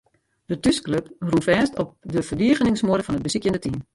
De thúsklup rûn fêst op de ferdigeningsmuorre fan it besykjende team.